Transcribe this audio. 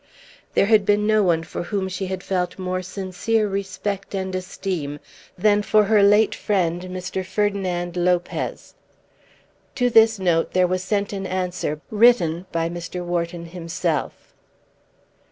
There had been no one for whom she had felt more sincere respect and esteem than for her late friend Mr. Ferdinand Lopez. To this note there was sent an answer written by Mr. Wharton himself.